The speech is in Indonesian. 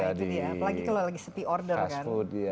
nah itu dia apalagi kalau lagi seti order kan